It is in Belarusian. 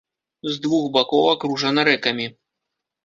З двух бакоў акружана рэкамі.